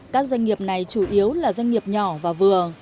các doanh nghiệp này chủ yếu là doanh nghiệp nhỏ và vừa